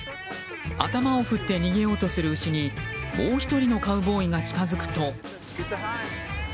頭を振って逃げようとする牛にもう１人のカウボーイが近づくと。